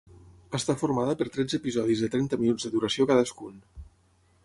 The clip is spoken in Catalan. Està formada per tretze episodis de trenta minuts de duració cadascun.